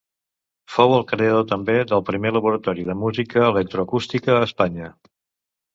Fou el creador també del primer laboratori de música electroacústica a Espanya.